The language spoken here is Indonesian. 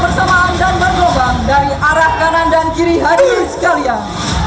bersamaan dan berlobang dari arah kanan dan kiri hadir sekalian